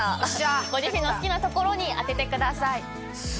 ご自身の好きな所にあててください。